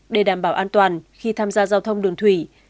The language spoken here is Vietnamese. để đảm bảo an toàn khi tham gia giao thông đường thủy